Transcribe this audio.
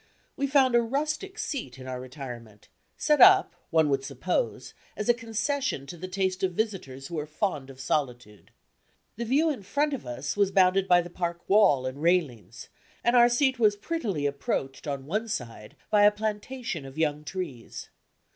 We found a rustic seat in our retirement, set up (one would suppose) as a concession to the taste of visitors who are fond of solitude. The view in front of us was bounded by the park wall and railings, and our seat was prettily approached on one side by a plantation of young trees.